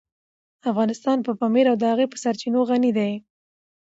افغانستان په پامیر او د هغې په سرچینو غني دی.